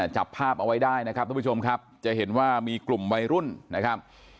จับภาพเอาไว้ได้นะครับทุกผู้ชมครับจะเห็นว่ามีกลุ่มวัยรุ่นนะครับ